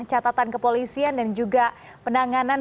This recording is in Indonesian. catatan kepolisian dan juga penanganan